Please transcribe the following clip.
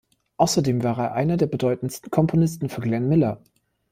Außerdem war er einer der bedeutendsten Komponisten für Glenn Miller.